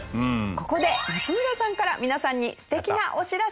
ここで松村さんから皆さんに素敵なお知らせです。